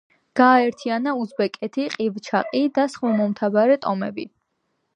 გააერთიანა უზბეკეთი, ყივჩაყი და სხვა მომთაბარე ტომები.